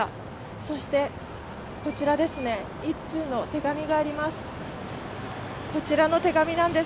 そして、１通の手紙があります。